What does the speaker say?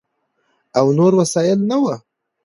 او نور وسایل نه ؤ،